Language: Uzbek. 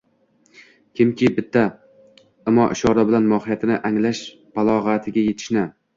kimki bitta imo-ishora bilan mohiyatni anglash balog‘atiga yetishni